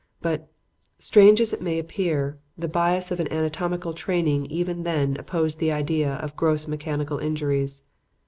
But, strange as it may appear, the bias of an anatomical training even then opposed the idea of gross mechanical injuries.